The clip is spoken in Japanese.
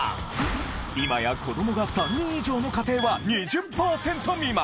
今や子どもが３人以上の家庭は２０％未満！